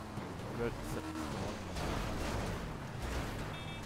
Gurdon Saltonstall war drei Mal verheiratet.